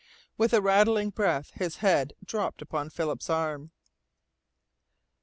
With a rattling breath his head dropped upon Philip's arm.